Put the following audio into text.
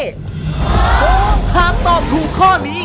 หากตอบถูกข้อนี้